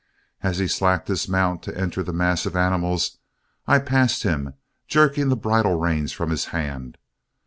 As he slacked his mount to enter the mass of animals, I passed him, jerking the bridle reins from his hand.